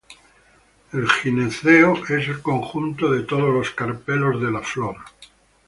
El gineceo es el conjunto de todos los carpelos de la flor.